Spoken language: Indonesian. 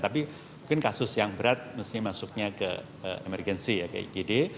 tapi mungkin kasus yang berat mestinya masuknya ke emergensi ya kayak igd